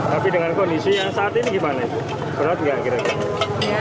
tapi dengan kondisi yang saat ini gimana ibu berat nggak kira kira